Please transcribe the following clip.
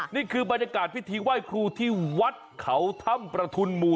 นี่คือบรรยากาศพิธีไหว้ครูที่วัดเขาถ้ำประทุนหมู่